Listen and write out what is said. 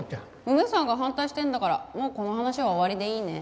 梅さんが反対してるんだからもうこの話は終わりでいいね。